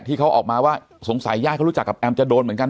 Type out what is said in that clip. ที่เขาออกมาว่าสงสัยญาติเขารู้จักกับแอมจะโดนเหมือนกัน